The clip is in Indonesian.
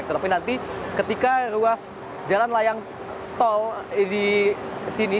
tetapi nanti ketika ruas jalan layang tol di sini